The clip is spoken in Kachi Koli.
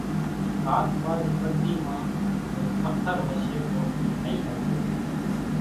ھاٿ واري ٻتي مان زو پٿر ھشي تو اِي نئي ۿرڳي